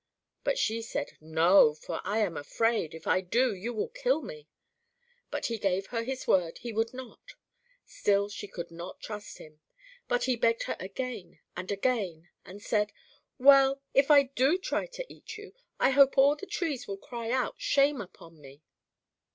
But she said, "No, for I am afraid, if I do, you will kill me." But he gave her his word he would not; still she could not trust him; but he begged her again and again, and said: "Well, if I do try to eat you, I hope all the trees will cry out shame upon me."